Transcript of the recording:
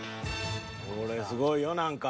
これすごいよ何か。